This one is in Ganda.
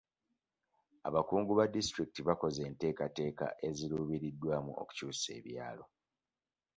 Abakungu ba disitulikiti bakoze enteekateeka eziruubiriddwamu okukyusa ebyalo.